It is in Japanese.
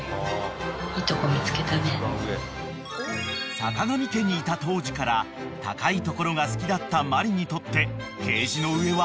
［さかがみ家にいた当時から高い所が好きだったマリにとってケージの上は］